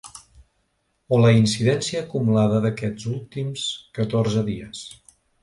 O la incidència acumulada d’aquests últims catorze dies.